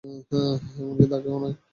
এমনকি তাকেও নয়।